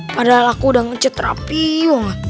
padahal aku udah nge chat rapih wong